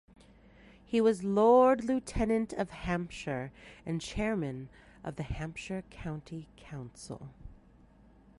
He was Lord Lieutenant of Hampshire and Chairman of the Hampshire County Council.